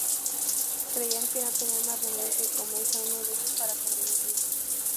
Creían que no tenían más remedio que comerse a uno de ellos para sobrevivir.